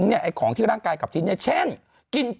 ให้เขาคอยกลับมาหน่อย